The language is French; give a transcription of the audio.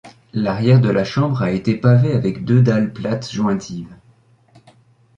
L'arrière de la chambre a été pavé avec deux dalles plates jointives.